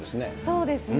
そうですね。